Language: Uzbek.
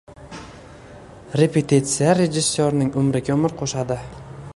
Repetitsiya rejissyorning umriga umr qo‘shadi